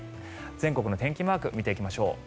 全国の天気マークを見ていきましょう。